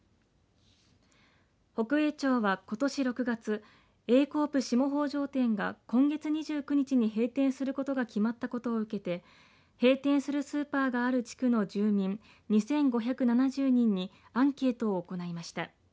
北栄町はことし６月Ａコープ下北条店が今月２９日に閉店することが決まったことを受けて閉店するスーパーがある地区の住民２５７０人にアンケートを行いました。